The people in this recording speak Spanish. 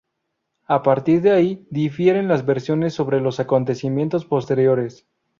A partir de ahí difieren las versiones sobre los acontecimientos posteriores.